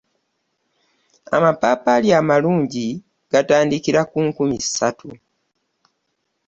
Amapaapaali amalungu gatandikira ku nkumi ssatu.